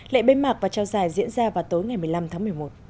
lệ bế mạc và trao giải diễn ra vào tối ngày một mươi năm tháng một mươi một